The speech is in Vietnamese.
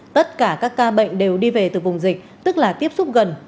tất cả các ca bệnh đều đi về từ vùng dịch tức là tiếp xúc gần